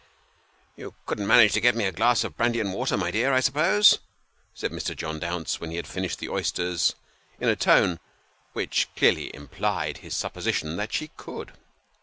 " You couldn't manage to get me a glass of brandy and water, my dear, I suppose ?" said Mr. John Dounce, when he had finished the oysters : in a tone which clearly implied his supposition that she could.